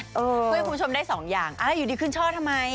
เพื่อให้คุณผู้ชมได้สองอย่างแล้วอยู่ดีขึ้นช่อทำไม